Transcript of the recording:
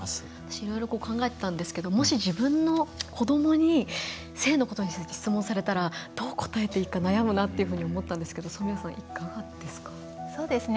いろいろ考えていたんですけどもし自分の子どもに性のことについて質問されたらどう答えていいか悩むなと思ったんですが染矢さん、いかがですか？